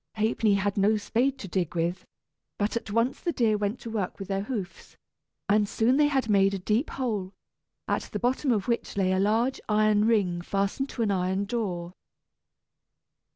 Ha'penny had no spade to dig with, but at once the deer went to work with their hoofs, and soon they had made a deep hole, at the bottom of which lay a large iron ring fastened to an iron door.